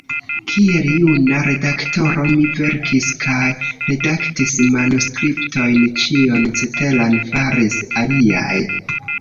Kiel juna redaktoro mi verkis kaj redaktis manuskriptojn; ĉion ceteran faris aliaj.